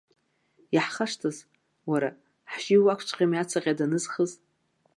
Иаҳхашҭыз, уара, ҳжьи уакәҵәҟьами ацаҟьа данызхыз.